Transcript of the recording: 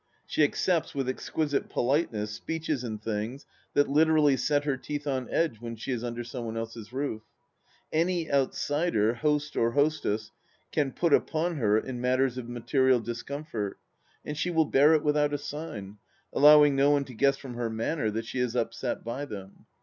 She accepts with exquisite politeness speeches and things that literally set her teeth on edge when she is under some one else's roof. Any out sider — ^host or hostess — can put upon her in matters of material discomfort, and she will bear it without a sign, allowing no one to guess from her manner that she is upset by them.